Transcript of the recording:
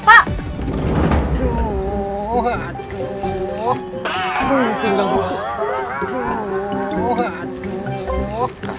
aduh aduh berhenti pak